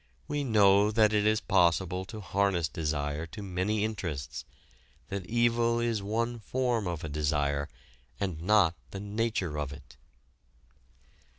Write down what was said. We know that it is possible to harness desire to many interests, that evil is one form of a desire, and not the nature of it.